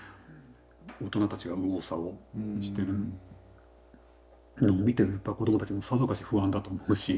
大人たちが右往左往してるのを見てる子どもたちもさぞかし不安だと思うし。